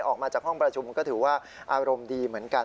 ออกมาจากห้องประชุมก็ถือว่าอารมณ์ดีเหมือนกัน